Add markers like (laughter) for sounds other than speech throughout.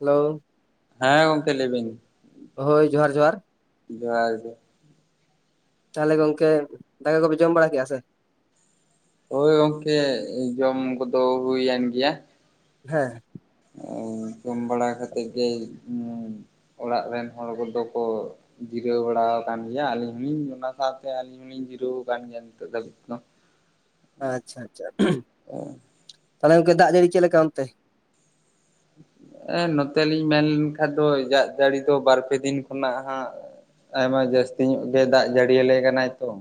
Hello. ᱦᱮᱸ ᱜᱚᱝᱠᱮ ᱞᱟᱹᱭ ᱵᱤᱱ? ᱦᱳᱭ, ᱡᱚᱦᱟᱨ ᱡᱚᱦᱟᱨ ᱾ ᱡᱚᱦᱟᱨ ᱜᱮ ᱾ ᱛᱟᱦᱚᱞᱮ ᱜᱚᱝᱠᱮ ᱫᱟᱠᱟ ᱠᱚᱯᱮ ᱡᱚᱢ ᱵᱟᱲᱟ ᱠᱮᱜᱼᱟ ᱥᱮ? ᱦᱳᱭ ᱜᱚᱝᱠᱮ, ᱡᱚᱢ ᱠᱚᱫᱚ ᱦᱩᱭᱮᱱ ᱜᱮᱭᱟ ᱾ ᱦᱮᱸ ᱾ ᱡᱚᱢ ᱵᱟᱲᱟ ᱠᱟᱛᱮ ᱜᱮ (inaudible) ᱚᱲᱟᱜ ᱨᱮᱱ ᱦᱚᱲ ᱠᱚᱫᱚ ᱠᱚ ᱡᱤᱨᱟᱹᱣ ᱵᱟᱲᱟ ᱟᱠᱟᱱ ᱜᱮᱭᱟ ᱟᱹᱞᱤᱧ ᱦᱚᱞᱤᱧ ᱚᱱᱟ ᱥᱟᱶᱛᱮ ᱟᱹᱞᱤᱧ ᱤᱧ ᱡᱤᱨᱟᱹᱣ ᱟᱠᱟᱱ ᱜᱮᱭᱟ ᱱᱤᱛᱚᱜ ᱫᱷᱟᱹᱵᱤᱡ ᱫᱚ ᱾ ᱟᱪᱪᱷᱟ ᱟᱪᱪᱷᱟ ᱾ ᱛᱟᱦᱚᱞᱮ ᱜᱚᱝᱠᱮ ᱫᱟᱜ ᱡᱟᱹᱲᱤ ᱪᱮᱫ ᱞᱮᱠᱟ ᱚᱱᱛᱮ? ᱱᱚᱛᱮ ᱞᱤᱧ ᱢᱮᱱ ᱞᱮᱱᱠᱷᱟᱱ ᱫᱚ ᱫᱟᱜ ᱡᱟᱹᱲᱤ ᱫᱚ ᱵᱟᱨᱯᱮ ᱫᱤᱱ ᱠᱷᱚᱱᱟᱜ ᱦᱟᱸᱜ ᱟᱭᱢᱟ ᱡᱟᱹᱥᱛᱤ ᱧᱚᱜ ᱜᱮ ᱫᱟᱜ ᱡᱟᱹᱲᱤᱭᱟᱞᱮ ᱠᱟᱱᱟᱭ ᱛᱚ ᱾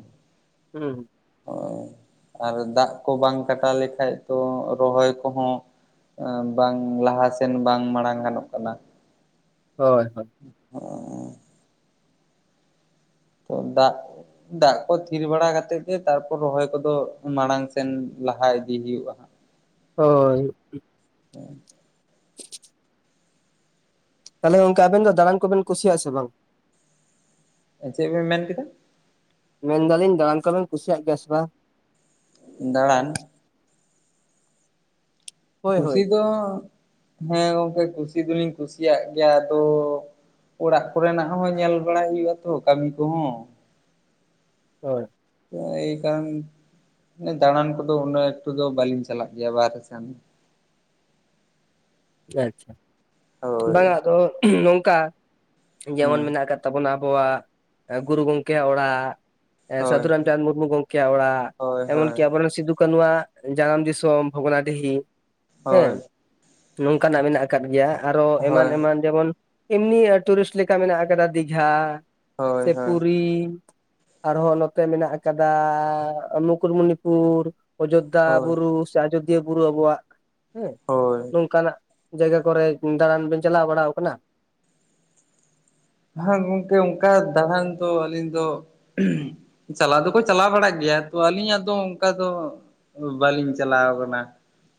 ᱦᱩᱸ ᱦᱩᱸ ᱾ ᱦᱚᱭ ᱟᱨ ᱫᱟᱜ ᱠᱚ ᱵᱟᱝ ᱠᱟᱴᱟᱣ ᱞᱮᱠᱷᱟᱡ ᱛᱚ ᱨᱚᱦᱚᱭ ᱠᱚᱦᱚᱸ ᱮᱸ ᱵᱟᱝ ᱞᱟᱦᱟᱥᱮᱱ ᱵᱟᱝ ᱢᱟᱲᱟᱝ ᱜᱟᱱᱚᱜ ᱠᱟᱱᱟ ᱾ ᱦᱳᱭ ᱦᱳᱭ ᱾ ᱛᱚ ᱫᱟᱜ ᱫᱟᱜ ᱠᱚ ᱛᱷᱤᱨ ᱵᱟᱲᱟ ᱠᱟᱛᱮ ᱜᱮ ᱛᱟᱨᱯᱚᱨ ᱨᱚᱦᱚᱭ ᱠᱚᱫᱚ ᱢᱟᱲᱟᱝ ᱥᱮᱱ ᱞᱟᱦᱟ ᱤᱫᱤ ᱦᱩᱭᱩᱜᱼᱟ ᱾ ᱦᱳᱭ ᱾ ᱦᱩᱸ᱾ ᱛᱟᱦᱚᱞᱮ ᱜᱚᱝᱠᱮ, ᱟᱵᱮᱱ ᱫᱚ ᱫᱟᱬᱟᱱ ᱠᱚᱵᱮᱱ ᱠᱩᱥᱤᱭᱟᱜᱼᱟ ᱥᱮ ᱵᱟᱝ? ᱪᱮᱫ ᱵᱮ ᱢᱮᱱ ᱠᱮᱫᱟ? ᱢᱮᱱᱫᱟᱞᱤᱧ ᱫᱟᱲᱟᱱ ᱠᱚᱵᱮᱧ ᱠᱩᱥᱤᱭᱟᱜ ᱜᱮᱭᱟ ᱥᱮ ᱵᱟᱝ? ᱫᱟᱬᱟᱱ? ᱦᱳᱭ ᱦᱳᱭ ᱠᱩᱥᱤ ᱫᱚ ᱦᱮᱸ ᱜᱚᱝᱠᱮ ᱠᱩᱥᱤ ᱫᱚᱞᱤᱧ ᱠᱩᱥᱤᱭᱟᱜ ᱜᱮᱭᱟ ᱟᱫᱚ᱾ ᱚᱲᱟᱜ ᱠᱚᱨᱮᱱᱟᱜ ᱦᱚᱸ ᱧᱮᱞ ᱵᱟᱲᱟᱭ ᱦᱩᱭᱩᱜ-ᱟ ᱛᱚ ᱠᱟᱹᱢᱤ ᱠᱚᱦᱚᱸ᱾ ᱦᱳᱭ᱾ ᱮᱭ ᱠᱟᱨᱚᱱ ᱫᱟᱬᱟᱱ ᱠᱚᱫᱚ ᱩᱱᱟᱹᱜ ᱮᱠᱴᱩ ᱫᱚ ᱵᱟᱹᱞᱤᱧ ᱪᱟᱞᱟᱜ ᱜᱮᱭᱟ ᱵᱟᱦᱨᱮ ᱥᱮᱱ᱾ ᱟᱪᱪᱷᱟ ᱦᱳᱭ ᱵᱟᱝ-ᱟ ᱟᱫᱚ ᱱᱚᱝᱠᱟ ᱡᱮᱢᱚᱱ ᱦᱩᱸ ᱢᱮᱱᱟᱜ ᱟᱠᱟᱫ ᱛᱟᱵᱚᱱᱟ ᱟᱵᱚᱣᱟᱜ ᱜᱩᱨᱩ ᱜᱚᱝᱠᱮᱭᱟᱜ ᱚᱲᱟᱜ᱾ ᱥᱟᱫᱷᱩ ᱦᱳᱭ ᱨᱟᱢᱪᱟᱸᱫᱽ ᱢᱩᱨᱢᱩ ᱜᱚᱝᱠᱮᱭᱟᱜ ᱚᱲᱟᱜ᱾ ᱦᱳᱭ ᱮᱢᱚᱱᱠᱤ ᱦᱳᱭ ᱟᱵᱚᱨᱮᱱ ᱥᱤᱫᱩ ᱠᱟᱱᱩᱣᱟᱜ ᱡᱟᱱᱟᱢ ᱫᱤᱥᱚᱢ ᱵᱷᱚᱜᱽᱚᱱᱟᱰᱤᱦᱤ᱾ ᱦᱳᱭ᱾ ᱱᱚᱝᱠᱟᱱᱟᱜ ᱢᱮᱱᱟᱜ ᱟᱠᱟᱫ ᱜᱮᱭᱟ ᱟᱨᱚ ᱮᱢᱟᱱ ᱦᱳᱭ ᱮᱢᱟᱱ ᱡᱮᱢᱚᱱ ᱮᱢᱱᱤ ᱴᱩᱨᱤᱥᱴ ᱞᱮᱠᱟ ᱢᱮᱱᱟᱜ ᱠᱟᱫᱟ ᱫᱤᱜᱷᱟ ᱦᱳᱭ ᱥᱮ ᱯᱩᱨᱤ, ᱟᱨᱦᱚᱸ ᱱᱚᱛᱮ ᱢᱮᱱᱟᱜ ᱟᱠᱟᱫᱟ ᱢᱩᱠᱩᱴᱢᱩᱱᱤᱯᱩᱨ᱾ ᱚᱡᱳᱫᱽᱫᱷᱟ ᱦᱳᱭ ᱵᱩᱨᱩ ᱥᱮ ᱟᱡᱚᱫᱤᱭᱟᱹ ᱵᱩᱨᱩ ᱟᱵᱚᱣᱟᱜ ᱦᱮᱸ᱾ ᱦᱳᱭ ᱱᱚᱝᱠᱟᱱᱟᱜ ᱡᱟᱭᱜᱟ ᱠᱚᱨᱮ ᱫᱟᱬᱟᱱ ᱵᱮᱱ ᱪᱟᱞᱟᱣ ᱵᱟᱲᱟ ᱟᱠᱟᱱᱟ? ᱵᱷᱟᱧᱸ ᱜᱚᱝᱠᱮ ᱚᱱᱠᱟ ᱫᱟᱬᱟᱱ ᱫᱚ ᱟᱹᱞᱤᱧ ᱫᱚ ᱪᱟᱞᱟᱣ ᱫᱚᱠᱚ ᱪᱟᱞᱟᱣ ᱵᱟᱲᱟᱜ ᱜᱮᱭᱟ ᱛᱚ ᱟᱹᱞᱤᱧᱟᱜ ᱫᱚ ᱚᱱᱠᱟ ᱫᱚ ᱵᱟᱹᱞᱤᱧ ᱪᱟᱞᱟᱣ ᱠᱟᱱᱟ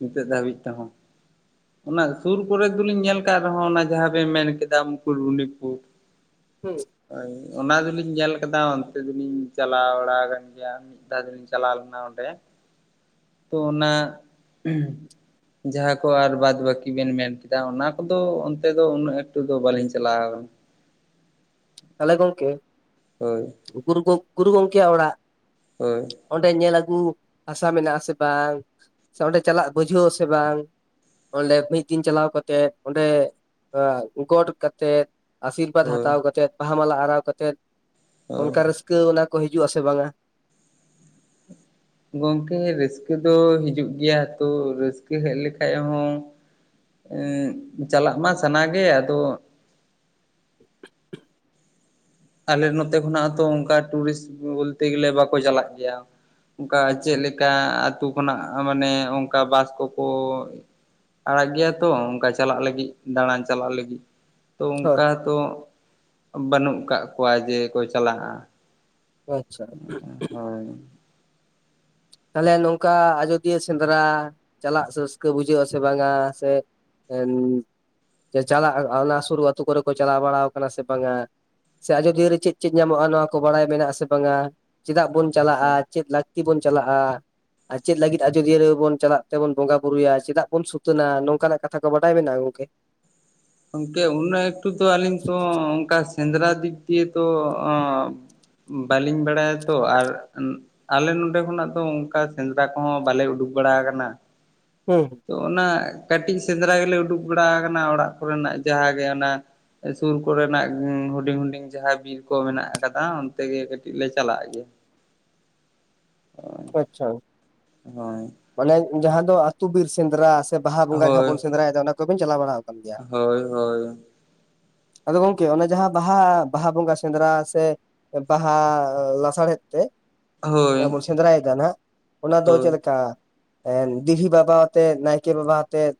ᱱᱤᱛᱚᱜ ᱫᱷᱟᱹᱵᱤᱡ ᱛᱮᱦᱚᱸ᱾ ᱚᱱᱟ ᱥᱩᱨ ᱠᱚᱨᱮ ᱫᱚᱞᱤᱧ ᱧᱮᱞ ᱟᱠᱟᱫ ᱨᱮᱦᱚᱸ ᱚᱱᱟ ᱡᱟᱦᱟᱸ ᱵᱮᱱ ᱢᱮᱱ ᱠᱮᱫᱟ ᱢᱩᱠᱩᱴᱢᱩᱱᱤᱯᱩᱨ᱾ ᱦᱩᱸ᱾ ᱦᱳᱭ ᱚᱱᱟ ᱫᱚᱞᱤᱧ ᱧᱮᱞ ᱟᱠᱟᱫᱟ ᱚᱱᱛᱮ ᱫᱚᱞᱤᱧ ᱪᱟᱞᱟᱣ ᱵᱟᱲᱟ ᱟᱠᱟᱱ ᱜᱮᱭᱟ᱾ ᱢᱤᱫ ᱫᱷᱟ ᱫᱚ ᱞᱤᱧ ᱪᱟᱞᱟᱣ ᱞᱮᱱᱟ ᱚᱸᱰᱮ, ᱛᱚ ᱚᱱᱟ ᱡᱟᱦᱟᱸ ᱠᱚ ᱟᱨ ᱵᱟᱫᱽ ᱵᱟᱹᱠᱤ ᱵᱮᱱ ᱢᱮᱱ ᱠᱮᱫᱟ, ᱚᱱᱟ ᱠᱚᱫᱚ ᱚᱱᱛᱮ ᱫᱚ ᱩᱱᱟᱹᱜ ᱮᱠᱴᱩ ᱫᱚ ᱵᱟᱞᱤᱧ ᱪᱟᱞᱟᱣ ᱠᱟᱱᱟ᱾ ᱛᱟᱦᱚᱞᱮ ᱜᱚᱝᱠᱮ ᱦᱳᱭ, ᱩᱠᱩᱨ ᱜᱚ ᱜᱩᱨᱩ ᱜᱚᱝᱠᱮᱭᱟᱜ ᱚᱲᱟᱜ᱾ ᱦᱳᱭ, ᱚᱸᱰᱮ ᱧᱮᱞ ᱟᱹᱜᱩ, ᱦᱟᱥᱟ ᱢᱮᱱᱟᱜ ᱟᱥᱮ ᱵᱟᱝ, ᱥᱮ ᱚᱸᱰᱮ ᱪᱟᱞᱟᱜ ᱵᱩᱡᱷᱟᱹᱣ ᱟᱥᱮ ᱵᱟᱝ? ᱚᱸᱰᱮ ᱢᱤᱫ ᱫᱤᱱ ᱪᱟᱞᱟᱣ ᱠᱟᱛᱮᱜ, ᱚᱸᱰᱮ ᱜᱚᱴ ᱠᱟᱛᱮᱜ ᱟᱥᱤᱨᱵᱟᱫᱽ ᱦᱳᱭ ᱦᱟᱛᱟᱣ ᱠᱟᱛᱮᱫ, ᱵᱟᱦᱟ ᱢᱟᱞᱟ ᱟᱨᱟᱣ ᱠᱟᱛᱮᱫ, ᱦᱳᱭ ᱚᱱᱠᱟ ᱨᱟᱹᱥᱠᱟᱹ ᱠᱟᱹᱣ ᱚᱱᱟ ᱠᱚ ᱦᱤᱡᱩᱜᱼᱟ ᱥᱮ ᱵᱟᱝᱟ᱾ ᱜᱚᱝᱠᱮ ᱨᱟᱹᱥᱠᱟᱹ ᱫᱚ ᱦᱤᱡᱩᱜ ᱜᱮᱭᱟ, ᱛᱚ ᱨᱟᱹᱥᱠᱟᱹ ᱦᱮᱡ ᱞᱮᱠᱷᱟᱡ ᱦᱚᱸ ᱮᱜ ᱪᱟᱞᱟᱜ ᱢᱟ ᱥᱟᱱᱟ ᱜᱮ, ᱟᱫᱚ ᱟᱞᱮ ᱱᱚᱛᱮ ᱠᱷᱚᱱᱟᱜ ᱛᱚ ᱚᱱᱠᱟ, ᱴᱩᱨᱤᱥᱴ ᱵᱚᱞᱛᱮ ᱜᱮᱞᱮ ᱵᱟᱠᱚ ᱪᱟᱞᱟᱜ ᱜᱮᱭᱟ, ᱚᱱᱠᱟ ᱟᱪᱪᱷᱟ ᱪᱮᱞᱮ ᱠᱟ ᱟᱹᱛᱩ ᱠᱷᱚᱱᱟᱜ ᱢᱟᱱᱮ, ᱚᱱᱠᱟ ᱵᱟᱥ ᱠᱚᱠᱚ ᱟᱲᱟᱜ ᱜᱮᱭᱟ ᱛᱚ ᱚᱱᱠᱟ ᱪᱟᱞᱟᱜ ᱞᱟᱹᱜᱤᱫ, ᱫᱟᱬᱟᱱ ᱪᱟᱞᱟᱜ ᱞᱟᱹᱜᱤᱫ᱾ ᱛᱚ ᱦᱳᱭ ᱚᱝᱠᱟ ᱛᱚ, ᱵᱟᱹᱱᱩᱜ ᱠᱟᱜ ᱠᱚᱣᱟ ᱡᱮ ᱠᱚ ᱪᱟᱞᱟᱜᱼᱟ᱾ ᱟᱪᱪᱷᱟ᱾ ᱦᱳᱭ ᱛᱟᱦᱚᱞᱮ ᱱᱚᱝᱠᱟ ᱟᱡᱫᱤᱭᱟᱹ ᱥᱮᱸᱫᱽᱨᱟ, ᱪᱟᱞᱟᱜ ᱨᱟᱹᱥᱠᱟᱹ ᱵᱩᱡᱷᱟᱹᱜ ᱟᱥᱮ ᱵᱟᱝᱟ, ᱥᱮ ᱮᱢ ᱪᱟᱞᱟᱜ ᱚᱱᱟ ᱥᱩᱨᱩ ᱟᱹᱛᱩ ᱠᱚᱨᱮ ᱠᱚ, ᱪᱟᱞᱟᱣ ᱵᱟᱲᱟ ᱠᱟᱱᱟ ᱥᱮ ᱵᱟᱝᱟ? ᱥᱮ ᱟᱡᱚᱫᱤᱭᱟᱹ ᱨᱮ ᱪᱮᱫ ᱪᱮᱫ ᱧᱟᱢᱚᱜᱼᱟ, ᱱᱚᱣᱟ ᱠᱚ ᱵᱟᱲᱟᱭ ᱢᱮᱱᱟᱜ ᱟᱥᱮ ᱵᱟᱝᱟ, ᱪᱮᱫᱟᱜ ᱵᱚᱱ ᱪᱟᱞᱟᱜᱼᱟ ᱾ᱪᱮᱫ ᱞᱟᱹᱠᱛᱤ ᱵᱚᱱ ᱪᱟᱞᱟᱜᱼᱟ? ᱟᱨ ᱪᱮᱫ ᱞᱟᱹᱜᱤᱫ ᱟᱡᱳᱚᱫᱤᱭᱟᱹ ᱨᱮᱵᱚᱱ, ᱪᱟᱞᱟᱜ ᱛᱮᱵᱚᱱ ᱵᱚᱸᱜᱟ ᱵᱩᱨᱩᱭᱟ, ᱪᱮᱫᱟᱜ ᱵᱚᱱ ᱥᱩᱛᱟᱹᱱᱟ, ᱱᱚᱝᱠᱟᱱᱟᱜ ᱠᱟᱛᱷᱟ ᱠᱚ ᱵᱟᱰᱟᱭ ᱢᱮᱱᱟᱜᱼᱟ ᱜᱚᱝᱠᱮ? (inaudible) ᱜᱚᱢᱠᱮ ᱩᱱᱟᱹᱜ ᱮᱠᱴᱩ ᱫᱚ ᱟᱹᱞᱤᱧ ᱛᱚ ᱚᱱᱠᱟ ᱥᱮᱸᱫᱽᱨᱟ ᱫᱤᱠ ᱫᱤᱭᱮ ᱛᱚ, ᱚ ᱵᱟᱞᱤᱧ ᱵᱟᱲᱟᱭᱟ ᱛᱚ ᱟᱨ ᱟᱞᱮ ᱱᱚᱰᱮ ᱠᱷᱚᱱᱟᱜ ᱫᱚ, ᱚᱝᱠᱟ ᱥᱮᱸᱫᱽᱨᱟ ᱠᱚᱦᱚᱸ, ᱵᱟᱞᱮ ᱩᱰᱩᱠ ᱵᱟᱲᱟ ᱠᱟᱱᱟ ᱾ (unintelligible) ᱦᱩ, ᱦᱩ᱾ ᱛᱚ ᱚᱱᱟ ᱠᱟᱹᱴᱤᱡ ᱥᱮᱸᱫᱽᱨᱟ ᱜᱮᱞᱮ, ᱩᱰᱩᱠ ᱵᱟᱲᱟ ᱠᱟᱱᱟ ᱚᱲᱟᱜ ᱠᱚᱨᱮᱱᱟᱜ ᱡᱟᱦᱟᱸᱜᱮ ᱚᱱᱟ ᱥᱩᱨ ᱠᱚᱨᱮᱱᱟᱜ ᱦᱩᱰᱤᱧ ᱦᱩᱰᱤᱧ ᱡᱟᱦᱟᱸ, ᱵᱤᱨ ᱠᱚ ᱢᱮᱱᱟᱜ ᱠᱟᱫᱟ ᱚᱱᱛᱮ ᱜᱮ, ᱠᱟᱹᱴᱤᱡ ᱞᱮ ᱪᱟᱞᱟᱜ ᱜᱮᱭᱟ ᱾ ᱟᱪᱪᱷᱟ᱾ ᱦᱳᱭ, ᱢᱟᱱᱮ ᱡᱟᱦᱟᱸ ᱫᱚ, ᱟᱹᱛᱩ ᱵᱤᱨ ᱥᱮᱸᱫᱽᱨᱟ᱾ ᱥᱮ ᱵᱟᱦᱟ ᱵᱚᱸᱜᱟ ᱡᱟᱦᱟᱸ ᱦᱳᱭ ᱵᱚᱱ ᱥᱮᱸᱫᱽᱨᱟᱭ ᱫᱟ, ᱚᱱᱟ ᱠᱚᱵᱮᱱ ᱪᱟᱞᱟᱣ ᱵᱟᱲᱟ ᱠᱟᱱ ᱜᱮᱭᱟ? ᱦᱳᱭ ᱦᱳᱭ ᱟᱫᱚ ᱜᱚᱝᱠᱮ ᱚᱱᱮ ᱡᱟᱦᱟᱸ ᱵᱟᱦᱟ, ᱵᱟᱦᱟ ᱵᱚᱸᱜᱟ ᱥᱮᱸᱫᱽᱨᱟ ᱥᱮᱼᱼ ᱵᱟᱦᱟ ᱞᱟᱥᱟᱲ ᱦᱮᱫᱽ ᱛᱮ ᱦᱳᱭ ᱡᱟᱦᱟ ᱵᱚᱱ ᱥᱮᱸᱫᱽᱨᱟᱭᱫᱟ, ᱱᱟᱦᱟᱸᱜ ᱚᱱᱟ ᱫᱚ ᱦᱳᱭ ᱪᱮᱫ ᱞᱮᱠᱟ? ᱫᱤᱨᱦᱤ ᱵᱟᱵᱟ ᱟᱛᱮᱜ, ᱱᱟᱭᱠᱮ ᱵᱟᱵᱟ ᱟᱛᱮᱜ᱾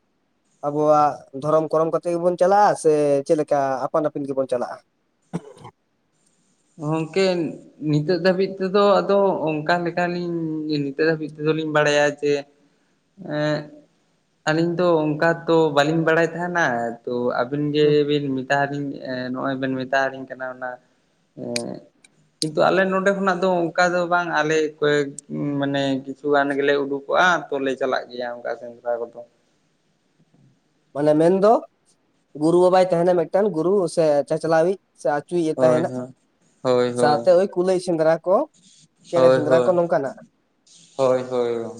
ᱟᱵᱚᱣᱟᱜ ᱫᱷᱚᱨᱚᱢ ᱠᱚᱨᱚᱢ ᱠᱟᱛᱮᱫ ᱜᱮᱵᱚᱱ ᱪᱟᱞᱟᱜᱼᱟ, ᱥᱮ ᱪᱮᱫ ᱞᱮᱠᱟ ᱟᱯᱟᱱ ᱟᱹᱯᱤᱱ ᱜᱮᱵᱚᱱ ᱪᱟᱞᱟᱜᱼᱟ ᱾ (inaudible) (unintelligible) (unintelligible) ᱜᱚᱝᱠᱮ ᱱᱤᱛᱚᱜ ᱫᱷᱟᱹᱵᱤᱡ ᱛᱮᱫᱚ ᱟᱫᱚ, ᱚᱱᱠᱟ ᱞᱮᱠᱟᱞᱤᱧ ᱱᱤᱛᱚᱜ ᱫᱷᱟᱹᱵᱤᱡ ᱛᱮᱫᱚ, ᱞᱤᱧ ᱵᱟᱲᱟᱭᱟ ᱡᱮ ᱮᱜ ᱟᱹᱞᱤᱧ ᱫᱚ ᱚᱱᱠᱟ ᱛᱚ, ᱵᱟᱹᱞᱤᱧ ᱵᱟᱲᱟᱭ ᱛᱟᱦᱮᱱᱟ ᱛᱚ ᱟᱵᱤᱱ ᱡᱮ ᱵᱤᱱ ᱢᱮᱛᱟ ᱫᱤᱧ ᱱᱚᱜᱼᱚᱭ, ᱵᱮᱱ ᱢᱮᱛᱟᱞᱤᱧ ᱠᱟᱱᱟ ᱚᱱᱟᱼᱼ ᱮᱸ ᱜᱠᱤᱱᱛᱩ ᱟᱞᱮ ᱱᱚᱰᱮ ᱠᱷᱚᱱᱟᱜ ᱫᱚ, ᱚᱱᱠᱟ ᱫᱚ ᱵᱟᱝ ᱟᱞᱮ ᱠᱚᱭᱮ ᱢᱟᱱᱮ ᱠᱤᱪᱷᱩ ᱜᱟᱱ ᱜᱮᱞᱮ ᱩᱰᱩᱠᱚᱜᱼᱟ, ᱛᱚᱞᱮ ᱪᱟᱞᱟᱜ ᱜᱮᱭᱟ ᱚᱱᱠᱟ ᱥᱮᱸᱫᱽᱨᱟ ᱠᱚᱫᱚ᱾ ᱢᱟᱱᱮ ᱢᱮᱱᱫᱚ ᱜᱩᱨᱩ ᱵᱟᱵᱟᱭ ᱛᱟᱦᱮᱱᱟ ᱢᱮᱜᱴᱮᱱ ᱜᱩᱨᱩ ᱥᱮ ᱪᱟᱪᱞᱟᱣᱤᱡ᱾ ᱥᱮ ᱟᱹᱪᱩᱭᱮᱫ ᱮ ᱦᱳᱭ ᱛᱟᱦᱮᱱᱟ ᱦᱳᱭ ᱦᱳᱭ ᱥᱟᱶᱛᱮ ᱳᱭ ᱠᱩᱞᱟᱹᱭ ᱥᱮᱸᱫᱽᱨᱟ ᱠᱚ᱾ ᱪᱮᱬᱮ ᱦᱳᱭ, ᱥᱮᱸᱫᱽᱨᱟ ᱠᱚ ᱦᱳᱭ, ᱱᱚᱝᱠᱟᱱᱟᱜ ᱦᱳᱭ, ᱦᱳᱭ, ᱜᱚ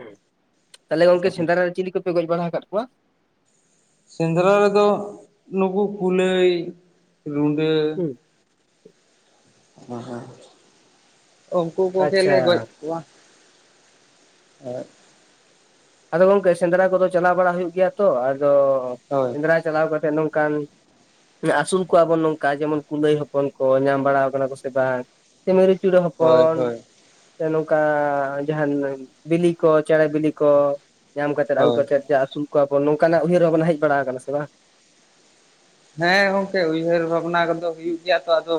ᱦᱮᱸ ᱛᱟᱦᱞᱮ ᱜᱚᱝᱠᱮ ᱥᱮᱸᱫᱽᱨᱟ ᱨᱮ ᱪᱤᱞᱤ ᱠᱚᱯᱮ ᱜᱚᱡ ᱵᱟᱲᱟ ᱟᱠᱟᱫ ᱠᱚᱣᱟ᱾ ᱥᱮᱸᱫᱽᱨᱟ ᱨᱮᱫᱚ ᱱᱩᱠᱩ ᱠᱩᱞᱟᱹᱭ ᱨᱩᱱᱰᱟᱹ (unintelligible) ᱳᱝᱠᱳ ᱠᱚᱜᱮ ᱟᱪᱪᱷᱟ ᱞᱮ ᱠᱚᱡᱼᱼ ᱠᱚᱣᱟᱼᱼ ᱟᱫᱚ ᱜᱚᱢᱠᱮ ᱥᱮᱸᱫᱽᱨᱟ ᱠᱚᱫᱚ ᱪᱟᱞᱟᱣ ᱵᱟᱲᱟ ᱦᱩᱭᱩᱜ ᱜᱮᱭᱟ ᱛᱚ ᱟᱫᱚ ᱦᱳᱭ ᱥᱮᱸᱫᱽᱨᱟ ᱪᱟᱞᱟᱣ ᱠᱟᱛᱮ ᱱᱚᱝᱠᱟᱱᱼᱼ ᱟᱹᱥᱩᱞ ᱠᱚᱣᱟ ᱠᱚ ᱱᱚᱝᱠᱟ ᱡᱮᱢᱚᱱ ᱠᱩᱞᱟᱹᱭ ᱦᱚᱯᱚᱱ ᱠᱚ ᱧᱟᱢ ᱵᱟᱲᱟᱣ ᱠᱟᱱᱟ ᱠᱚ ᱥᱮ ᱵᱟᱝ᱾ ᱥᱮ ᱢᱮᱨᱩ ᱪᱩᱲᱟᱹ ᱦᱳᱭ ᱦᱚᱯᱚᱱ᱾ ᱦᱳᱭ ᱥᱮ ᱱᱚᱝᱠᱟ ᱡᱟᱦᱟᱱ ᱵᱤᱞᱤ ᱠᱚ ᱪᱮᱬᱮ ᱵᱤᱞᱤ ᱠᱚ᱾ ᱧᱟᱢ ᱠᱟᱛᱮᱫ, ᱟᱹᱜᱩ ᱦᱳᱭ ᱠᱟᱛᱮᱫ, ᱡᱮ ᱟᱹᱥᱩᱞ ᱠᱚᱣᱟ ᱠᱚ ᱱᱚᱝᱠᱟᱱᱟᱜ ᱩᱭᱦᱟᱹᱨ ᱵᱷᱟᱵᱚᱱᱟ ᱦᱮᱡ ᱵᱟᱲᱟ ᱟᱠᱟᱱᱟ ᱥᱮ ᱵᱟᱝ? ᱦᱮᱸ ᱜᱚᱢᱠᱮ ᱩᱭᱦᱟᱹᱨ ᱵᱷᱟᱵᱽᱱᱟ ᱠᱚᱫᱚ ᱦᱩᱭᱩᱜ ᱜᱮᱭᱟ ᱛᱚ ᱟᱫᱚ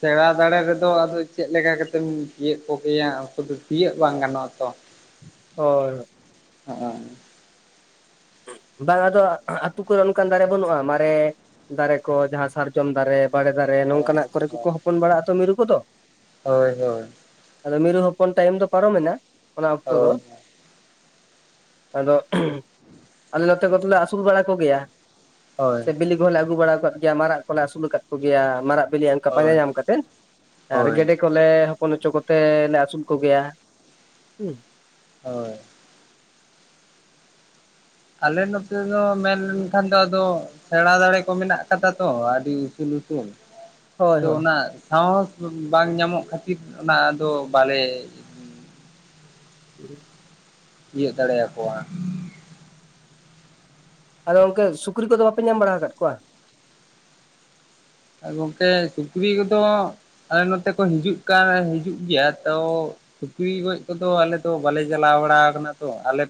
ᱥᱮᱬᱟ ᱫᱟᱲᱮ ᱨᱮᱫᱚ ᱟᱫᱚ ᱪᱮᱫ ᱞᱮᱠᱟ ᱠᱟᱛᱮᱢ ᱛᱤᱭᱟᱹᱜ ᱠᱚᱜᱮᱭᱟ ᱩᱱᱠᱩ ᱫᱚᱼᱼ ᱛᱤᱭᱟᱹᱜ ᱵᱟᱝ ᱜᱟᱱᱚᱜᱼᱟ ᱛᱚ᱾ ᱦᱳᱭ᱾ (unintelligible) ᱵᱟᱝ ᱟᱫᱚ ᱟᱹᱛᱩ ᱠᱚᱨᱮ ᱚᱱᱠᱟᱱ ᱫᱟᱨᱮ ᱵᱟᱹᱱᱩᱜᱼᱟ᱾ ᱢᱟᱨᱮ ᱫᱟᱨᱮ ᱠᱚ ᱡᱟᱦᱟᱸ ᱥᱟᱨᱡᱚᱢ ᱫᱟᱨᱮᱼᱼ ᱵᱟᱲᱮ ᱫᱟᱨᱮ ᱱᱚᱝᱠᱟᱱ ᱦᱳᱭ ᱟᱜ ᱠᱚᱨᱮ ᱠᱚᱠᱚ ᱦᱚᱯᱚᱱ ᱵᱟᱲᱟᱜᱼᱟ, ᱛᱚ ᱢᱤᱨᱩ ᱠᱚᱫᱚ ᱾ ᱦᱳᱭ ᱦᱳᱭ᱾ ᱟᱫᱚ ᱢᱤᱨᱩ ᱦᱚᱯᱚᱱ ᱴᱟᱭᱤᱢ ᱫᱚ ᱯᱟᱨᱚᱢ ᱮᱱᱟ ᱚᱱᱟ ᱚᱠᱛᱚ ᱫᱚ᱾ ᱦᱳᱭ ᱟᱫᱚ ᱟᱞᱮ ᱱᱚᱛᱮ ᱠᱚᱫᱚᱞᱮ ᱟᱹᱥᱩᱞ ᱵᱟᱲᱟ ᱠᱚᱜᱮᱭᱟ ᱦᱳᱭ ᱥᱮ ᱵᱤᱞᱤᱼᱼ ᱦᱚᱸᱞᱮ ᱟᱹᱜᱩ ᱵᱟᱲᱟ ᱟᱠᱟᱫ ᱜᱮᱭᱟ ᱢᱟᱨᱟᱜ ᱠᱚᱞᱮ ᱟᱹᱥᱩᱞ ᱟᱠᱟᱫ ᱠᱚᱜᱮᱭᱟ ᱢᱟᱨᱟᱜ ᱵᱤᱞᱤ ᱚᱱᱠᱟ ᱯᱟᱸᱡᱟ ᱦᱳᱭ ᱧᱟᱢ ᱠᱟᱛᱮᱫ ᱟᱨ ᱦᱳᱭ ᱜᱮᱰᱮᱼᱼ ᱠᱚᱞᱮ ᱦᱚᱯᱚᱱ ᱦᱚᱪᱚ ᱠᱚᱛᱮ ᱞᱮ ᱟᱹᱥᱩᱞ ᱠᱚᱜᱮᱭᱟ ᱦᱩᱸ᱾ ᱦᱳᱭ᱾ ᱟᱞᱮ ᱱᱚᱛᱮ ᱫᱚ ᱢᱮᱱ ᱞᱮᱠᱷᱟᱱ ᱫᱚ ᱟᱫᱚᱼᱼ ᱥᱮᱬᱟ ᱫᱟᱲᱮ ᱠᱚ ᱢᱮᱱᱟᱜ ᱠᱟᱫᱟ ᱛᱚ ᱟᱹᱰᱤ ᱩᱥᱩᱞ ᱩᱥᱩᱞ᱾ ᱦᱳᱭ ᱛᱚ ᱦᱳᱭ ᱚᱱᱟ ᱥᱟᱸᱦᱚᱥ ᱵᱟᱝ ᱧᱟᱢᱚᱜ ᱠᱷᱟᱹᱛᱤᱨ ᱚᱱᱟᱫᱚ ᱵᱟᱞᱮᱼᱼ (unintelligible) ᱛᱤᱭᱟᱹᱜ ᱫᱟᱲᱮᱭ ᱟᱠᱚᱣᱟ᱾ ᱟᱫᱚ ᱜᱚᱢᱠᱮ ᱥᱩᱠᱨᱤ ᱠᱚᱫᱚ ᱵᱟᱯᱮ ᱵᱟᱲᱟ ᱟᱠᱟᱫ ᱠᱚᱣᱟ᱾ ᱜᱚᱝᱠᱮ ᱥᱩᱠᱨᱤ ᱠᱚᱫᱚ ᱟᱞᱮ ᱱᱚᱛᱮ ᱠᱚ ᱦᱤᱡᱩᱜ ᱠᱟᱱ ᱦᱤᱡᱩᱜ ᱜᱮᱭᱟ ᱛᱚ ᱥᱩᱠᱨᱤ ᱜᱚᱡ ᱠᱚᱫᱚ ᱟᱞᱮ ᱫᱚ ᱵᱟᱞᱮ ᱪᱟᱞᱟᱣ ᱵᱟᱲᱟ ᱠᱟᱱᱟ ᱛᱚ ᱟᱞᱮ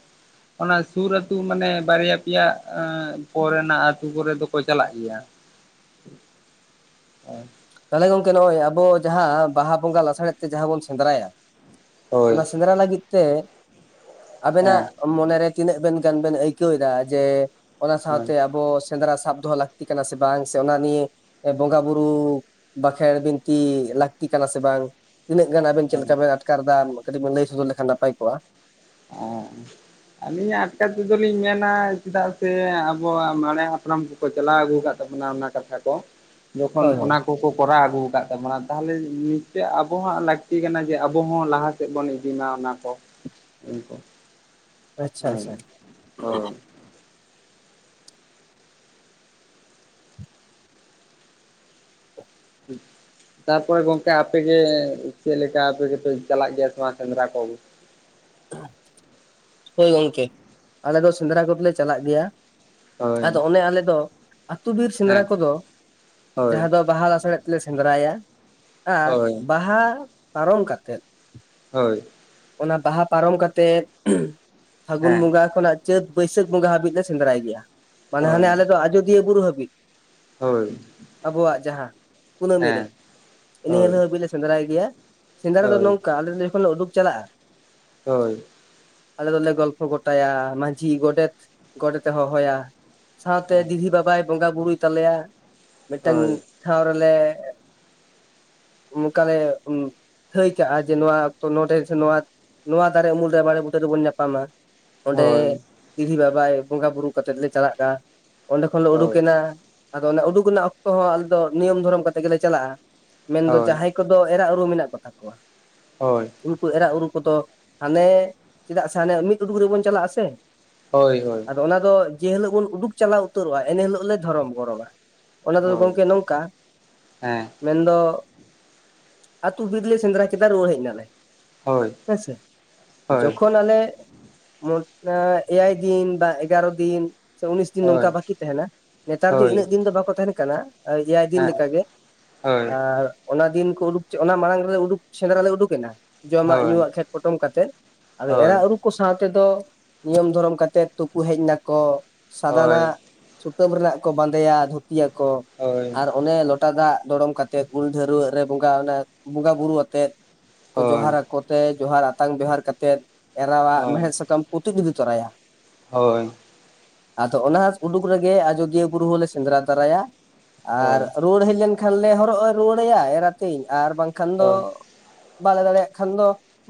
ᱚᱱᱟ ᱥᱩᱨ ᱟᱹᱛᱩ ᱢᱟᱱᱮ ᱵᱟᱨᱭᱟ ᱯᱮᱭᱟ ᱟᱸ ᱠᱚ ᱨᱮᱱᱟᱜ ᱟᱹᱛᱩ ᱠᱚᱨᱮ ᱫᱚᱠᱚ ᱪᱟᱞᱟᱜ ᱜᱮᱭᱟ᱾ ᱚ᱾ ᱛᱟᱦᱚᱞᱮ ᱜᱚᱝᱠᱮ ᱱᱚᱸᱜᱼᱚᱭ ᱟᱵᱚ ᱡᱟᱦᱟᱸ ᱵᱟᱦᱟ ᱵᱚᱸᱜᱟ ᱞᱟᱥᱟᱲᱮᱫ ᱛᱮ ᱡᱟᱦᱟᱸ ᱵᱚᱱ ᱥᱮᱸᱫᱽᱨᱟᱭᱟ᱾ ᱦᱳᱭ ᱚᱱᱟ ᱥᱮᱸᱫᱽᱨᱟ ᱞᱟᱹᱜᱤᱫ ᱛᱮ ᱟᱵᱮᱱᱼᱟᱜ ᱦᱮᱸ ᱢᱚᱱᱮᱨᱮ ᱛᱤᱱᱟᱹᱜ ᱵᱮᱱ ᱜᱟᱱ ᱵᱮᱱ ᱟᱹᱭᱠᱟᱹᱣ ᱮᱟ ᱡᱮ ᱚᱱᱟ ᱦᱳᱭ ᱥᱟᱶᱛᱮ ᱟᱵᱚ ᱥᱮᱸᱫᱽᱨᱟ ᱥᱟᱵ ᱫᱚᱦᱚ ᱞᱟᱹᱠᱛᱤ ᱠᱟᱱᱟ ᱥᱮ ᱵᱟᱝ ᱥᱮ ᱚᱱᱟ ᱱᱤᱭᱮ ᱵᱚᱸᱜᱟ ᱵᱩᱨᱩ ᱵᱟᱸᱠᱷᱮᱬ ᱵᱤᱱᱛᱤ ᱞᱟᱹᱠᱛᱤ ᱠᱟᱱᱟ ᱥᱮ ᱵᱟᱝ, ᱛᱤᱱᱟᱹᱜ ᱜᱟᱱ ᱟᱵᱮᱱ ᱪᱮᱫᱠᱟ ᱦᱳᱭ ᱵᱮᱱ ᱟᱴᱠᱟᱨ ᱫᱟ ᱠᱟᱹᱴᱤᱡ ᱵᱮᱱ ᱞᱟᱹᱭ ᱥᱚᱫᱚᱨ ᱞᱮᱠᱷᱟᱱ ᱱᱟᱯᱟᱭ ᱠᱚᱜᱼᱟ᱾ ᱚᱸᱜᱻ ᱟᱹᱞᱤᱧᱼᱟᱜ ᱟᱴᱠᱟᱨ ᱛᱮᱫᱚ ᱞᱤᱧ ᱢᱮᱱᱟ, ᱪᱮᱫᱟᱜ ᱥᱮ ᱟᱵᱚᱣᱟᱜ ᱢᱟᱨᱮ ᱦᱟᱯᱲᱟᱢ ᱠᱚ ᱠᱚ ᱪᱟᱞᱟᱣ ᱟᱹᱜᱩ ᱠᱟᱫ ᱛᱟᱵᱚᱱᱟ ᱚᱱᱟ ᱠᱟᱛᱷᱟ ᱠᱚ ᱡᱚᱠᱷᱚᱱ ᱦᱳᱭ ᱦᱳᱭ ᱚᱱᱟ ᱠᱚ ᱠᱚ ᱠᱚᱨᱟᱣ ᱟᱹᱜᱩ ᱠᱟᱫ ᱛᱟᱵᱚᱱᱟ ᱛᱟᱦᱚᱞᱮ ᱱᱤᱥᱪᱳᱭ ᱟᱵᱚᱣᱟᱜ ᱞᱟᱹᱠᱛᱤ ᱠᱟᱱᱟ ᱡᱮ ᱟᱵᱚ ᱦᱚᱸ ᱞᱟᱦᱟ ᱥᱮᱫ ᱵᱚᱱ ᱤᱫᱤ ᱢᱟ ᱚᱱᱟ ᱠᱚ ᱩᱱ ᱠᱚ ᱟᱪᱪᱷᱟ ᱦᱳᱭ ᱟᱪᱪᱷᱟ ᱦᱳᱭ ᱾ (unintelligible) ᱛᱟᱨᱯᱚᱨᱮ ᱜᱚᱝᱠᱮ ᱟᱯᱮᱜᱮ ᱪᱮᱫ ᱞᱮᱠᱟ ᱟᱯᱮ ᱜᱮᱯᱮ ᱪᱟᱞᱟᱜ ᱜᱮᱭᱟ ᱥᱮ ᱵᱟᱝ ᱥᱮᱸᱫᱽᱨᱟ ᱠᱚᱜᱮ? ᱦᱳᱭ ᱜᱚᱝᱠᱮ ᱟᱞᱮ ᱫᱚ ᱥᱮᱸᱫᱽᱨᱟ ᱠᱚᱫᱚ ᱞᱮ ᱪᱟᱞᱟᱜ ᱜᱮᱭᱟ ᱾ ᱦᱳᱭ ᱟᱫᱚ ᱚᱱᱮ ᱟᱞᱮ ᱫᱚ ᱟᱹᱛᱩ ᱵᱤᱨ ᱥᱮᱸᱫᱽᱨᱟ ᱦᱮᱸ ᱠᱚᱫᱚ ᱦᱳᱭ ᱡᱟᱸᱦᱟ ᱫᱚ ᱵᱟᱦᱟ ᱞᱮᱥᱟ ᱦᱮᱫ ᱛᱮ ᱞᱮ ᱥᱮᱸᱫᱽᱨᱟᱭᱟ ᱟᱨ ᱦᱳᱭ ᱵᱟᱦᱟ ᱯᱟᱨᱚᱢ ᱠᱟᱛᱮᱫ ᱦᱳᱭ ᱾ ᱚᱱᱟ ᱵᱟᱦᱟ ᱯᱟᱨᱚᱢ ᱠᱟᱛᱮᱫ ᱯᱷᱟᱹᱜᱩᱱ ᱦᱮᱸ ᱵᱚᱸᱜᱟ ᱠᱷᱚᱱᱟᱜ ᱪᱟᱹᱛ, ᱵᱟᱹᱭᱥᱟᱹᱠᱷ ᱵᱚᱸᱜᱟ ᱦᱟᱹᱵᱤᱡ ᱞᱮ ᱥᱮᱸᱫᱽᱨᱟᱭ ᱜᱮᱭᱟ ᱢᱟᱱᱮ ᱦᱟᱱᱮ ᱦᱳᱭ ᱟᱞᱮ ᱫᱚ ᱟᱡᱳᱚᱫᱤᱭᱟᱹ ᱵᱩᱨᱩ ᱦᱟᱹᱵᱤᱡ ᱾ ᱦᱳᱭ ᱾ ᱟᱵᱚᱣᱟᱜ ᱡᱟᱦᱟᱸ ᱠᱩᱱᱟᱹᱢᱤ ᱨᱮ ᱤᱱᱟᱹ ᱦᱳᱭ ᱦᱤᱞᱳᱜ ᱦᱟᱹᱵᱤᱡ ᱞᱮ ᱥᱮᱸᱫᱽᱨᱟᱭ ᱜᱮᱭᱟ ᱾ ᱥᱮᱸᱫᱽᱨᱟ ᱫᱚ ᱱᱚᱝᱠᱟ ᱦᱳᱭ ᱟᱞᱮ ᱫᱚ ᱡᱚᱠᱷᱚᱱ ᱞᱮ ᱩᱰᱩᱠ ᱪᱟᱞᱟᱜᱼᱟ ᱦᱳᱭ ᱾ ᱟᱞᱮ ᱫᱚᱞᱮ ᱜᱚᱞᱯᱷᱚ ᱜᱚᱴᱟᱭᱟ ᱢᱟᱹᱡᱷᱤ, ᱜᱚᱰᱮᱛ, ᱜᱚᱰᱮᱛ ᱮ ᱦᱚᱦᱚᱭᱟ ᱥᱟᱶᱛᱮ ᱦᱳᱭ ᱫᱤᱦᱨᱤ ᱵᱟᱵᱟᱭ ᱵᱚᱸᱜᱟ ᱵᱩᱨᱩᱭ ᱛᱟᱞᱮᱭᱟ ᱢᱤᱫᱴᱮᱱ ᱦᱳᱭ ᱴᱷᱟᱶ ᱨᱮᱞᱮ ᱚᱱᱠᱟᱞᱮ ᱴᱷᱟᱹᱭ ᱠᱟᱜᱼᱟ ᱡᱮ ᱱᱚᱣᱟ ᱚᱠᱛᱚ ᱱᱚᱰᱮ ᱥᱮ ᱱᱚᱣᱟ ᱱᱚᱣᱟ ᱫᱟᱨᱮ ᱩᱢᱩᱞ ᱨᱮ ᱵᱟᱲᱮ ᱵᱩ ᱴᱟᱹ ᱨᱮᱵᱚᱱ ᱧᱟᱯᱟᱢᱟ ᱚᱸᱰᱮ ᱦᱳᱭ ᱫᱤᱦᱨᱤ ᱵᱟᱵᱟᱭ ᱵᱚᱸᱜᱟᱼ ᱵᱩᱨᱩ ᱠᱟᱛᱮᱫ ᱞᱮ ᱪᱟᱞᱟᱜᱼᱟ ᱾ ᱚᱸᱰᱮ ᱠᱷᱚᱱ ᱞᱮ ᱩᱰᱩᱠ ᱦᱳᱭ ᱮᱱᱟ ᱟᱫᱚ ᱚᱱᱟ ᱩᱰᱩᱠ ᱨᱮᱱᱟᱜ ᱚᱠᱛᱚ ᱦᱚᱸ ᱟᱞᱮ ᱫᱚ ᱱᱤᱭᱚᱢ ᱫᱷᱚᱨᱚᱢ ᱠᱟᱛᱮ ᱜᱮᱞᱮ ᱪᱟᱞᱟᱜᱼᱟ ᱾ ᱢᱮᱱᱫᱚ ᱦᱳᱭ ᱡᱟᱦᱟᱸᱭ ᱠᱚᱫᱚ ᱮᱨᱟ ᱩᱨᱩ ᱢᱮᱱᱟᱜ ᱠᱚᱛᱟ ᱠᱚᱣᱟ ᱦᱳᱭ ᱾ ᱩᱱᱠᱩ ᱮᱨᱟ ᱩᱨᱩ ᱠᱚᱫᱚ ᱦᱟᱱᱮ ᱪᱮᱫᱟᱜ ᱥᱮ ᱦᱟᱱᱮ ᱢᱤᱫ ᱩᱰᱩᱠ ᱨᱮᱵᱚᱱ ᱪᱟᱞᱟᱜᱼᱟ ᱥᱮ ᱾ ᱦᱳᱭ ᱦᱳᱭ ᱾ ᱟᱫᱚ ᱚᱱᱟ ᱫᱚ ᱡᱮ ᱦᱤᱞᱳᱜ ᱵᱚᱱ ᱩᱰᱩᱠ ᱪᱟᱞᱟᱣ ᱩᱛᱟᱹᱨᱚᱜᱼᱟ ᱮᱱᱦᱤᱞᱳᱜ ᱞᱮ ᱫᱷᱚᱨᱚᱢ ᱠᱚᱨᱚᱢ-ᱟ ᱾ ᱚᱱᱟ ᱫᱚ ᱦᱳᱭ ᱜᱚᱢᱠᱮ ᱱᱚᱝᱠᱟ ᱦᱮᱸ ᱢᱮᱱᱫᱚ ᱟᱹᱛᱩ ᱵᱤᱨ ᱞᱮ ᱥᱮᱸᱫᱽᱨᱟ ᱠᱮᱫᱟ ᱨᱩᱣᱟᱹᱲ ᱦᱮᱡ ᱮᱱᱟ ᱞᱮ ᱾ ᱦᱳᱭ ᱾ ᱡᱚᱠᱷᱚᱱ ᱟᱞᱮ ᱮᱭᱟᱭ ᱫᱤᱱ ᱵᱟ ᱮᱜᱟᱨᱚ ᱫᱤᱱ ᱥᱮ ᱩᱱᱤᱥ ᱫᱤᱱ ᱱᱚᱝᱠᱟ ᱦᱳᱭ ᱵᱟᱠᱤ ᱛᱟᱦᱮᱸᱱᱟ ᱱᱮᱛᱟᱨ ᱫᱚ ᱦᱳᱭ ᱤᱱᱟᱹᱜ ᱫᱤᱱ ᱫᱚ ᱵᱟᱠᱚ ᱛᱟᱦᱮᱸᱱ ᱠᱟᱱᱟ ᱮᱭᱟᱭ ᱫᱤᱱ ᱦᱮᱸ ᱞᱮᱠᱟ ᱜᱮ ᱦᱳᱭ ᱟᱨ ᱚᱱᱟ ᱫᱤᱱ ᱠᱚ ᱩᱰᱩᱠ ᱚᱱᱟ ᱢᱟᱲᱟᱝ ᱨᱮᱞᱮ ᱩᱰᱩᱠ ᱥᱮᱸᱫᱽᱨᱟ ᱞᱮ ᱩᱰᱩᱠ ᱮᱱᱟ ᱦᱳᱭ ᱡᱚᱢᱟᱜ ᱦᱳᱭ ᱧᱩᱣᱟᱜ ᱜᱷᱮᱸᱴ ᱯᱚᱴᱚᱢ ᱠᱟᱛᱮᱫ, ᱟᱫᱚ ᱮᱨᱟ ᱦᱳᱭ ᱩᱨᱩ ᱠᱚ ᱥᱟᱶ ᱛᱮᱫᱚ ᱱᱤᱭᱚᱢ ᱫᱷᱚᱨᱚᱢ ᱠᱟᱛᱮᱫ ᱛᱩᱯᱩ ᱦᱮᱡ ᱱᱟᱠᱚ ᱥᱟᱫᱟᱱᱟᱜ ᱥᱩᱛᱟᱹᱢ ᱨᱮᱱᱟᱜ ᱠᱚ ᱵᱟᱸᱫᱮᱭᱟ ᱫᱷᱩᱛᱤᱭᱟᱠᱚ ᱦᱳᱭ ᱦᱳᱭ ᱦᱳᱭ ᱦᱳᱭ ᱦᱳᱭ ᱟᱨ ᱚᱱᱮ ᱞᱚ ᱴᱟ ᱫᱟᱜ ᱫᱚᱲᱚᱢ ᱠᱟᱛᱮᱜ ᱩᱞ ᱰᱷᱟᱹᱨᱣᱟᱹᱜ ᱨᱮ ᱵᱚᱸᱜᱟ ᱚᱱᱟ ᱵᱚᱸᱜᱟ ᱵᱩᱨᱩ ᱟᱛᱮᱜ ᱠᱚ ᱡᱚᱦᱟᱨᱟ, ᱠᱚᱛᱮ ᱡᱚᱦᱟᱨ ᱟᱛᱟᱝ ᱵᱮᱣᱦᱟᱨ ᱠᱟᱛᱮᱫ ᱮᱨᱟᱣᱟᱜ ᱢᱮᱬᱦᱮᱫ ᱦᱳᱭ ᱥᱟᱠᱟᱢ ᱠᱚ ᱛᱩᱫ ᱤᱫᱤ ᱛᱚᱨᱟᱭᱟ ᱦᱳᱭ ᱾ ᱟᱫᱚ ᱚᱱᱟ ᱩᱰᱩᱠ ᱨᱮᱜᱮ ᱟᱡᱳᱫᱤᱭᱟᱹ ᱵᱩᱨᱩ ᱦᱚᱸᱞᱮ ᱥᱮᱸᱫᱽᱨᱟ ᱛᱟᱨᱟᱭᱟ, ᱟᱨ ᱨᱩᱣᱟᱹᱲ ᱦᱮᱡ ᱞᱮᱱᱠᱷᱟᱱ ᱞᱮ ᱦᱚᱨᱚᱜ ᱨᱩᱣᱟᱹᱲ ᱟᱭᱟ ᱮᱨᱟᱛᱤᱧ ᱟᱨ ᱵᱟᱝᱠᱷᱟᱱ ᱫᱚ ᱵᱟᱞᱮ ᱫᱟᱲᱮᱭᱟᱜ ᱠᱷᱟᱱ ᱫᱚ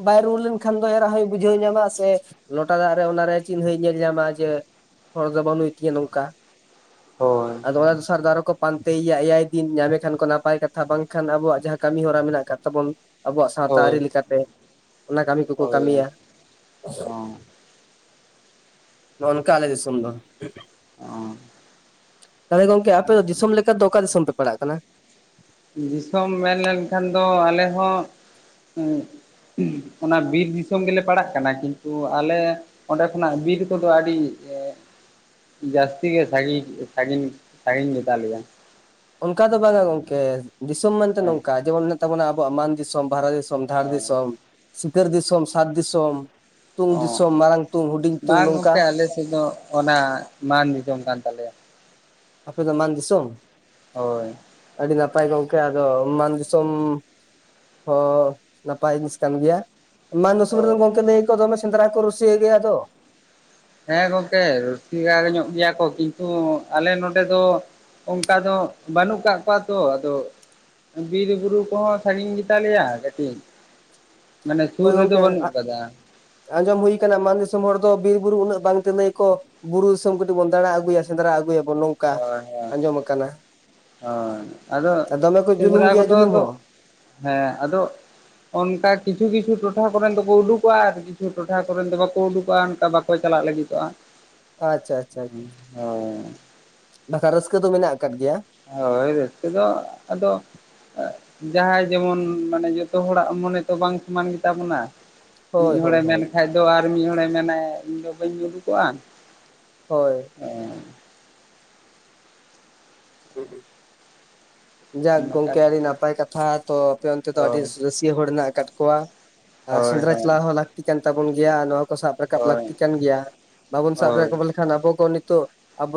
ᱵᱟᱭ ᱨᱩᱣᱟᱲ ᱞᱮᱱ ᱠᱷᱟᱱ ᱫᱚ ᱮᱨᱟᱜ ᱦᱚᱸᱭ ᱵᱩᱡᱷᱟᱹᱣ ᱧᱟᱢᱟ ᱥᱮ ᱞᱚᱴᱟ ᱫᱟᱜ ᱨᱮ ᱚᱱᱟᱨᱮ ᱪᱤᱱᱦᱟᱹ ᱧᱮᱞ ᱧᱟᱢᱟ ᱡᱮ ᱦᱚᱲ ᱫᱚ ᱵᱟᱹᱱᱩᱭ ᱛᱤᱧᱟᱹ ᱱᱚᱝᱠᱟ ᱟᱫᱚ ᱚ ᱚᱱᱟ ᱫᱚ ᱥᱟᱨ ᱫᱟ ᱟᱨᱚ ᱠᱚ ᱯᱟᱱᱛᱮᱭᱟ ᱮᱭᱟᱭ ᱫᱤᱱ ᱧᱟᱢᱮ ᱠᱷᱟᱱ ᱠᱚ ᱱᱟᱯᱟᱭ ᱠᱟᱛᱷᱟ ᱵᱟᱝᱠᱷᱟᱱ ᱟᱵᱚᱣᱟᱜ ᱡᱟᱦᱟᱸ ᱠᱟᱹᱢᱤ ᱦᱚᱨᱟ ᱢᱮᱱᱟᱜ ᱟᱠᱟᱫ ᱛᱟᱵᱚᱱ ᱛᱟᱵᱚᱱ ᱟᱵᱚᱣᱟᱜ ᱥᱟᱶᱛᱟ ᱚ ᱟᱹᱨᱤ ᱞᱮᱠᱟᱛᱮ ᱚᱱᱟ ᱠᱟᱹᱢᱤ ᱠᱚᱠᱚ ᱠᱟᱹᱢᱤᱭᱟ, ᱱᱚᱜ-ᱚ ᱱᱚᱝᱠᱟ ᱟᱞᱮ ᱫᱤᱥᱚᱢ ᱫᱚ ᱾ ᱛᱟᱦᱚᱞᱮ ᱜᱚᱝᱠᱮ ᱟᱯᱮ ᱫᱚ ᱫᱤᱥᱚᱢ ᱞᱮᱠᱟ ᱛᱮ ᱫᱚ ᱚᱠᱟ ᱫᱤᱥᱚᱢ ᱯᱮ ᱯᱟᱲᱟᱜ ᱠᱟᱱᱟ? ᱫᱤᱥᱚᱢ ᱢᱮᱱ ᱞᱮᱱᱠᱷᱟᱱ ᱫᱚ ᱟᱞᱮ ᱦᱚᱸ, ᱚᱱᱟ ᱵᱤᱨ ᱫᱤᱥᱚᱢ ᱜᱮᱞᱮ ᱯᱟᱲᱟᱜ ᱠᱟᱱᱟ ᱠᱤᱱᱛᱩ, ᱟᱞᱮ ᱚᱸᱰᱮ ᱠᱷᱚᱱᱟᱜ ᱵᱤᱨ ᱠᱚᱫᱚ ᱟᱹᱰᱤ ᱡᱟᱥᱛᱤ ᱜᱮ ᱥᱟᱜᱤᱧ ᱥᱟᱜᱤᱧ ᱥᱟᱜᱤᱧ ᱜᱮᱛᱟ ᱞᱮᱭᱟ ᱾ ᱚᱱᱠᱟ ᱫᱚ ᱵᱟᱝᱼᱟ ᱜᱚᱝᱠᱮ ᱫᱤᱥᱚᱢ ᱢᱮᱱᱛᱮ ᱦᱮᱸ ᱱᱚᱝᱠᱟ ᱡᱮᱢᱚᱱ ᱢᱮᱱᱟᱜ ᱛᱟᱵᱚᱱᱟ ᱟᱵᱚᱣᱟᱜ ᱢᱟᱱ ᱫᱤᱥᱚᱢ, ᱵᱷᱟᱦᱨᱟ ᱫᱤᱥ ᱥᱚᱢ, ᱫᱷᱟᱲ ᱦᱳᱭ ᱫᱤᱥᱚᱢ, ᱥᱤᱠᱟᱹᱨ ᱫᱤᱥᱚᱢ, ᱥᱟᱛ ᱫᱤᱥᱚᱢ, ᱛᱩᱝ ᱚ ᱫᱤᱥᱚᱢ, ᱢᱟᱨᱟᱝ ᱛᱩ ᱦᱩᱰᱤᱧ ᱛᱩᱧ ᱵᱟᱝ ᱱᱚᱝᱠᱟ ᱜᱚᱝᱠᱮ ᱟᱞᱮ ᱥᱮᱡ ᱫᱚ, ᱚᱱᱟ ᱢᱟᱱ ᱫᱤᱥᱚᱢ ᱠᱟᱱ ᱛᱟᱞᱮᱭᱟ ᱾ ᱟᱯᱮ ᱫᱚ ᱢᱟᱱ ᱫᱤᱥᱚᱢ? ᱦᱳᱭ ᱟᱹᱰᱤ ᱱᱟᱯᱟᱭ ᱜᱚᱝᱠᱮ ᱟᱫᱚ ᱢᱟᱱ ᱫᱤᱥᱚᱢ ᱦᱚᱸ ᱱᱟᱯᱟᱭ ᱡᱤᱱᱤᱥ ᱠᱟᱱ ᱜᱮᱭᱟ ᱾ ᱢᱟᱱ ᱫᱤᱥᱚᱢ ᱨᱮᱫᱚ ᱦᱳᱭ ᱜᱚᱝᱠᱮ ᱞᱟᱹᱭ ᱟᱠᱚ ᱫᱚᱢᱮ ᱥᱮᱸᱫᱽᱨᱟ ᱠᱚ ᱨᱩᱥᱤᱭᱟᱹ ᱜᱮᱭᱟ ᱫᱚ, ᱦᱮᱸ ᱜᱚᱝᱠᱮ ᱨᱩᱥᱤᱠᱟ ᱧᱚᱜ ᱜᱮᱭᱟ ᱠᱚ ᱠᱤᱱᱛᱩ ᱟᱞᱮ ᱱᱚᱰᱮ ᱫᱚ, ᱚᱝᱠᱟ ᱫᱚ ᱵᱟᱹᱱᱩᱜ ᱠᱟᱜ ᱠᱚᱣᱟ ᱛᱚ ᱟᱫᱚ, ᱵᱤᱨ ᱵᱩᱨᱩ ᱠᱚᱦᱚᱸ ᱥᱟᱺᱜᱤᱧ ᱜᱮᱛᱟ ᱞᱮᱭᱟ ᱠᱟᱹᱴᱤᱡ, ᱢᱟᱱᱮ ᱥᱩᱨ ᱦᱳᱭ ᱨᱮᱫᱚ ᱜᱚᱝᱠᱮ ᱵᱟᱹᱱᱩᱜ ᱟᱠᱟᱫᱟ ᱟᱸᱡᱚᱢ ᱦᱩᱭ ᱠᱟᱱᱟ ᱢᱟᱱ ᱫᱤᱥᱚᱢ ᱦᱚᱲ ᱫᱚ ᱵᱤᱨ ᱵᱩᱨᱩ ᱩᱱᱟᱹᱜ ᱵᱟᱝ ᱛᱮ ᱞᱟᱹᱭ ᱟᱠᱚ ᱜᱩᱨᱩ ᱫᱤᱩᱥᱚᱢ ᱠᱚᱴᱤ ᱵᱚᱱ ᱫᱟᱲᱟ ᱟᱜᱩᱭᱟ ᱥᱮᱸᱫᱽᱨᱟ ᱟᱜᱩᱭᱟᱵᱚᱱ ᱱᱚᱝ ᱦᱳᱭ ᱦᱳᱭ ᱦᱳᱭ ᱟᱫᱚ ᱫᱚᱢᱮ ᱠᱚ ᱡᱩᱞᱩᱢ ᱥᱮᱸᱫᱽᱨᱟ ᱜᱮᱭᱟ ᱠᱚᱫᱚ ᱡᱩᱞᱩᱢ ᱟᱫᱚ, ᱦᱚᱸ ᱦᱮᱸ ᱟᱫᱚ ᱚᱱᱠᱟ ᱠᱤᱪᱷᱩ ᱠᱤᱪᱷᱩ ᱴᱚᱴᱷᱟᱠᱚᱨᱮᱱ ᱫᱚ ᱠᱚ ᱩᱰᱩᱠᱚᱜᱼᱟ, ᱟᱨ ᱠᱤᱪᱷᱩ ᱴᱚᱴᱷᱟᱨᱮᱱ ᱫᱚ ᱵᱟᱠᱚ ᱩᱰᱩᱠᱼᱟ ᱚᱱᱠᱟ ᱵᱟ ᱠᱚ ᱪᱟᱞᱟᱜ ᱞᱟᱹᱜᱤᱛᱚᱜᱼᱟ ᱾ ᱟᱪᱪᱷᱟ ᱟᱪᱪᱷᱟ ᱟᱪᱪᱷᱟ ᱵᱟᱠᱷᱟ ᱨᱟᱹᱥᱠᱟᱹ ᱫᱚ ᱢᱮᱱᱟᱜ ᱟᱠᱟᱫ ᱜᱮᱭᱟ ᱾ ᱦᱳᱭ ᱨᱟᱹᱥᱠᱟᱹ ᱫᱚ ᱟᱫᱚ ᱡᱟᱦᱟᱸᱭ ᱡᱮᱢᱚᱱ ᱢᱟᱱᱮ ᱡᱚᱛᱚ ᱦᱚᱲᱟᱜ ᱢᱚᱱᱮ ᱛᱚ ᱵᱟᱝ ᱥᱚᱢᱟᱱ ᱜᱮᱛᱟᱵᱚᱱᱟ ᱾ ᱢᱤᱫ ᱦᱳᱭ ᱦᱳᱭ ᱦᱚᱲᱮ ᱢᱮᱱ ᱦᱳᱭ ᱠᱷᱟᱱᱡ ᱫᱚ ᱟᱨ ᱢᱤᱫ ᱦᱚᱲᱮ ᱢᱮᱱᱟᱭ ᱤᱧᱫᱚ ᱵᱟᱹᱧ ᱩᱰᱩᱠᱚᱜᱼᱟ ᱾ ᱦᱳᱭ ᱦᱮᱸ ᱡᱟᱠ ᱚᱱᱠᱟ ᱜᱚᱝᱠᱮ ᱟᱹᱰᱤ ᱱᱟᱯᱟᱭ ᱠᱟᱛᱷᱟ ᱛᱚ ᱟᱯᱮ ᱚᱱᱛᱮ ᱫᱚ ᱟᱹᱰᱤ ᱦᱳᱭ ᱨᱟᱹᱥ ᱛᱤ ᱦᱚᱲ ᱦᱮᱱᱟᱜ ᱟᱠᱟᱫ ᱠᱚᱣᱟ, ᱟᱨ ᱦᱳᱭ ᱥᱮᱸᱫᱽᱨᱟ ᱦᱳᱭ ᱪᱟᱞᱟᱣ ᱦᱚᱸ ᱞᱟᱹᱠᱛᱤ ᱠᱟᱱ ᱛᱟᱵᱚᱱ ᱜᱮᱭᱟ ᱱᱚᱣᱟ ᱥᱟᱵ ᱨᱟᱠᱟᱵ ᱦᱳᱭ ᱞᱟᱹᱠᱛᱤ ᱠᱟᱱ ᱜᱮᱭᱟ ᱵᱟᱵᱚᱱ ᱥᱟᱵ ᱦᱳᱭ ᱨᱟᱠᱟᱵ ᱞᱮᱠᱷᱟᱱ ᱟᱵᱚ ᱠᱚ ᱱᱤᱛᱚᱜ ᱟᱵᱚ